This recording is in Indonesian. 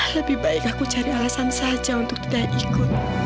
lebih baik aku cari alasan saja untuk tidak ikut